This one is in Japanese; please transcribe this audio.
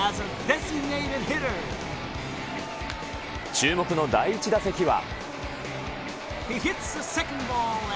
注目の第１打席は。